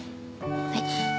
はい。